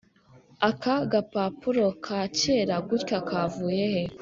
akagapapuro kakera gutya kavuye he?